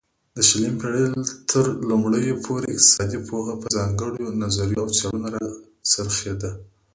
د شلمې پيړۍ ترلومړيو پورې اقتصادي پوهه په ځانگړيو نظريو او څيړنو را څرخيده